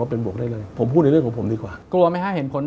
ผมเองกับคุณอุ้งอิ๊งเองเราก็รักกันเหมือนน้อง